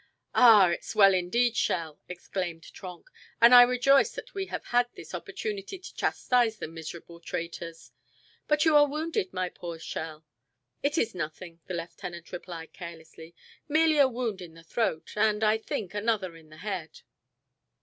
"Ah, it's well ended, Schell," exclaimed Trenck, "and I rejoice that we have had this opportunity to chastise the miserable traitors. But you are wounded, my poor Schell!" "It is nothing," the lieutenant replied carelessly; "merely a wound in the throat, and, I think, another in the head."